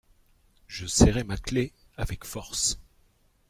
Je serrai ma clef avec force.